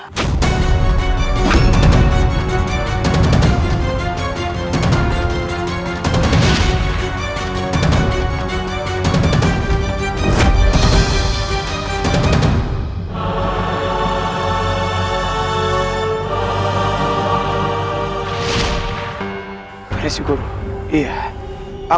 hebatlah hati jaya